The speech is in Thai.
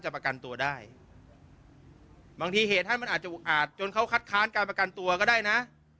บางทีเหตุท่านมันอาจจะอุอาจจนเขาคัดค้านการประกันตัวก็ได้นะ